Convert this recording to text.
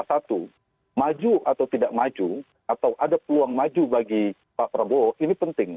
satu maju atau tidak maju atau ada peluang maju bagi pak prabowo ini penting